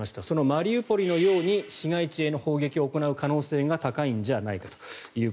そのマリウポリのように市街地への砲撃を行う可能性が高いんじゃないかと。